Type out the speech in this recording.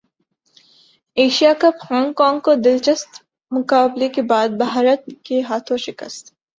Asia cup Hong Kong کو دلچسپ مقابلے کے بعد بھارت کے ہاتھوں شکست